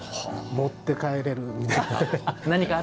持って帰れるので。